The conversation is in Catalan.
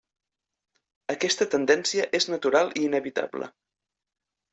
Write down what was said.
Aquesta tendència és natural i inevitable.